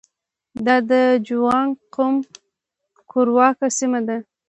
دا د جوانګ قوم کورواکه سیمه ده.